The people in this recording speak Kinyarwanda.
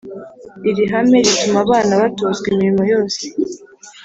iri hame rituma abana batozwa imirimo yose